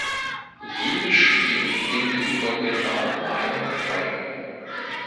Jedes Spiel ging über genau einen Frame.